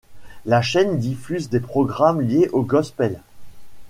La chaîne diffuse des programmes liés au gospel.